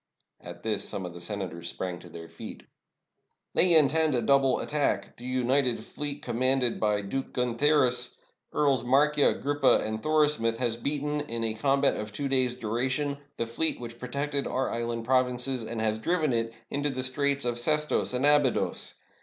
At this some of the senators sprang to their feet. "They intend a double attack. Their united fleet, commanded by Duke Guntharis, Earls Markja, Grippa, 554 PEACE WITH THE GOTHS OR WAR? and Thorismuth, has beaten, in a combat of two days' duration, the fleet which protected our island provinces, and has driven it into the straits of Sestos and Abydos.